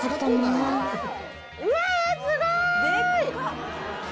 うわすごい！